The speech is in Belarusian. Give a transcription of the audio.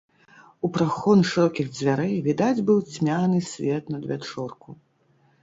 У прахон шырокіх дзвярэй відаць быў цьмяны свет надвячорку.